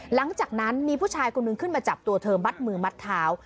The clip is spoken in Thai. หลังจากนั้นมีผู้ชายคนหนึ่งขึ้นมาจับตัวเธอมัดมือมัดเท้า